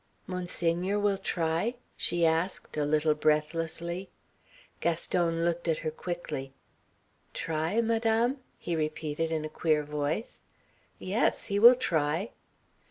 "Monseigneur will try?" she asked a little breathlessly. Gaston looked at her quickly. "Try, Madame?" he repeated in a queer voice. "Yes, he will try."